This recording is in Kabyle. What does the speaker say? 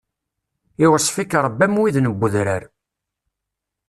Iweṣṣf-ik Ṛebbi am widen n wudrar.